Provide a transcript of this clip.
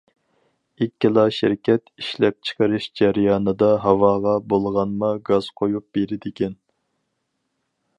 ئىككىلا شىركەت ئىشلەپچىقىرىش جەريانىدا ھاۋاغا بۇلغانما گاز قويۇپ بېرىدىكەن.